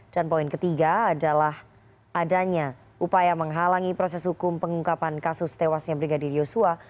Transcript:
dan poin ketiga adalah adanya upaya menghalangi proses hukum pengungkapan kasus tewasnya brigadir yosua